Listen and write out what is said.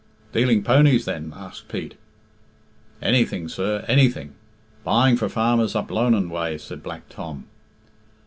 "Dealing ponies then?" asked Pete. "Anything, sir; anything. Buying for farmers up Lonan way," said Black Tom.